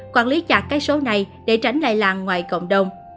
quản lý chặt cái số này để tránh lại làng ngoài cộng đồng